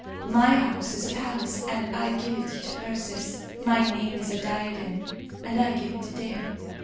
My house is a palace, and I give it to Ursus. My name is a diadem, and I give it to Dea.